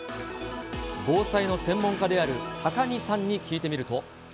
防災の専門家である高荷さんに聞いてみると。